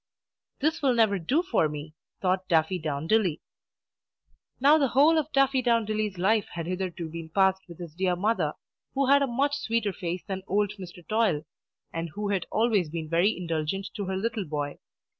"This will never do for me," thought Daffydowndilly. Now the whole of Daffydowndilly's life had hitherto been passed with his dear mother, who had a much sweeter face than old Mr. Toil, and who had always been very indulgent to her little boy.